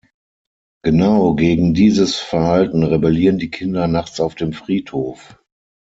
Genau gegen dieses Verhalten rebellieren die Kinder nachts auf dem Friedhof.